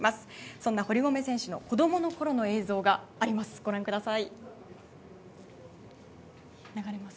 そんな堀米選手の子供のころの映像をご覧ください。